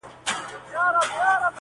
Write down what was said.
کاڼی به پوست نه سي، دښمن به دوست نه سي.